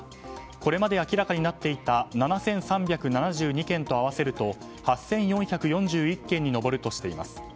これまで明らかになっていた７３７２件と合わせると８４４１件に上るとしています。